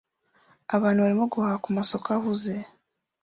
Abantu barimo guhaha kumasoko ahuze